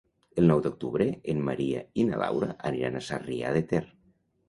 El nou d'octubre en Maria i na Laura aniran a Sarrià de Ter.